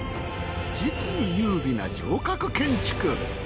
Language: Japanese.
実に優美な城郭建築。